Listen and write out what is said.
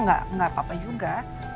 gak apa apa juga